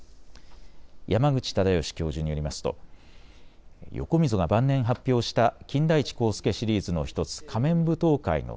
山口直孝教授によりますと横溝が晩年発表した金田一耕助シリーズの１つ仮面舞踏会の